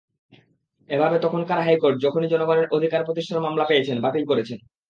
এভাবে তখনকার হাইকোর্ট যখনই জনগণের অধিকার প্রতিষ্ঠার মামলা পেয়েছেন, বাতিল করেছেন।